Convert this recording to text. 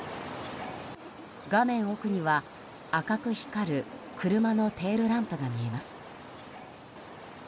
画面奥には赤く光る車のテールランプが見えます。